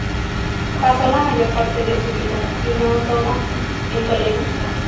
Pasó la mayor parte de su vida, si no toda, en Toledo.